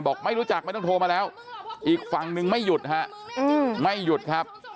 ไม่รู้จักไม่ต้องโทรมาแล้วอีกฝั่งนึงไม่หยุดฮะไม่หยุดครับ